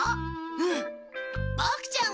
うん。